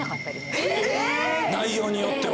内容によっては？